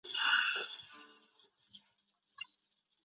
摄理教会后来状告首尔放送所做的系列报导偏颇。